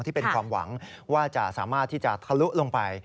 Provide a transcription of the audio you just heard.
ที่เป็นความหวังว่าจะสามารถที่จะทะลุลงไป